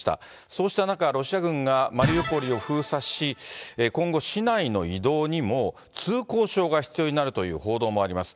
そうした中、ロシア軍がマリウポリを封鎖し、今後、市内の移動にも、通行証が必要になるという報道もあります。